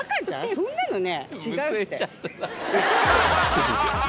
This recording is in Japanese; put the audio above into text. そんなのね。